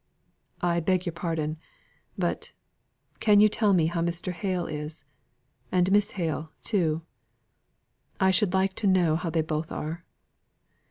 "I beg your pardon, but, can you tell me how Mr. Hale is? And Miss Hale, too? I should like to know how they both are."